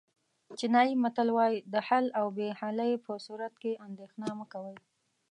چینایي متل وایي د حل او بې حلۍ په صورت کې اندېښنه مه کوئ.